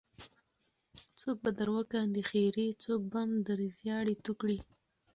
څوک به در وکاندې خیرې څوک بم در زیاړې توه کړي.